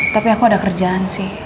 tapi aku ada kerjaan sih